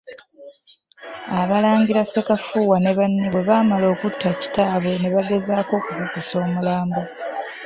Abalangira Ssekafuuwa ne banne bwe baamala okutta kitaabwe, ne bagezaako okukukusa omulambo.